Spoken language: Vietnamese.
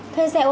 thưa dạy ô tô